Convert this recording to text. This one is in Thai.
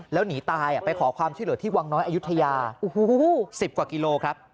แล้วหนีตายไปขอความช่วยเหลือที่วังน้อยอายุทยา๑๐กว่ากิโลครับ